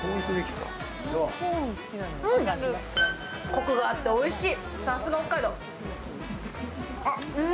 こくがあっておいしい。